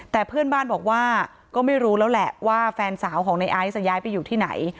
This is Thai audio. แต่เพื่อนบ้านบอกว่าก็ไม่รู้แล้วแหละว่าแฟนสาวของในไอซ์จะย้ายไปอยู่ที่ไหน